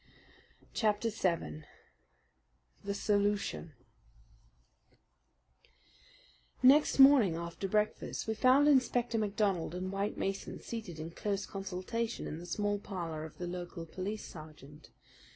Chapter 7 The Solution Next morning, after breakfast, we found Inspector MacDonald and White Mason seated in close consultation in the small parlour of the local police sergeant.